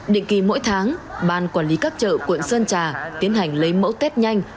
định kỳ mỗi tháng ban quản lý các chợ quận sơn trà tiến hành lấy mẫu test nhanh